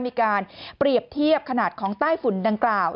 มีการเปรียบเทียบขนาดของใต้ฝุ่นดังกล่าว